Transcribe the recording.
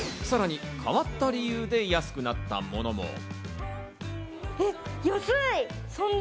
さらに変わった理由で安くなったものも。